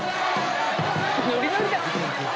ノリノリだ。